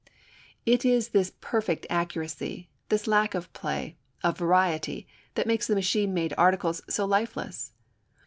It is this perfect accuracy, this lack of play, of variety, that makes the machine made article so lifeless.